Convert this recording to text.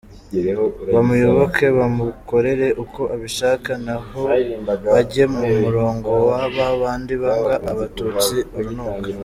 bamuyoboke bamukorere uko abishaka; nabo bajye mu murongo wa babandi banga abatutsi urunuka.